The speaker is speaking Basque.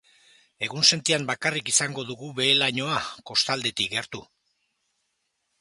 Egunsentian bakarrik izango dugu behe-lainoa kostaldetik gertu.